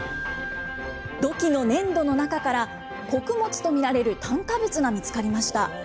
土器の粘土の中から穀物と見られる炭化物が見つかりました。